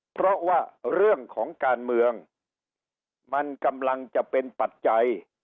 เพราะว่าเรื่องของการเมืองมันกำลังจะเป็นปัจจัย